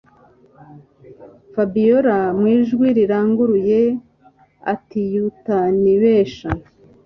Fabiora mwijwi riranguruye atiutanibesha